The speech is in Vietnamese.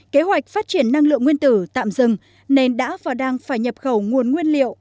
kế hoạch phát triển năng lượng nguyên tử tạm dừng nên đã và đang phải nhập khẩu nguồn nguyên liệu